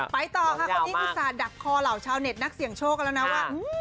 ไปต่อค่ะคนนี้อุตส่าห์ดักคอเหล่าชาวเน็ตนักเสี่ยงโชคกันแล้วนะว่า